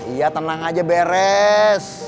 iya tenang aja beres